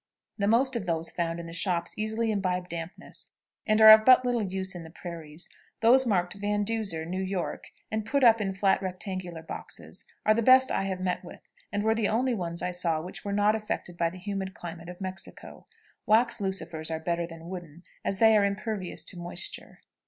The most of those found in the shops easily imbibe dampness, and are of but little use in the prairies. Those marked "Van Duser, New York," and put up in flat rectangular boxes, are the best I have met with, and were the only ones I saw which were not affected by the humid climate of Mexico. Wax lucifers are better than wooden, as they are impervious to moisture.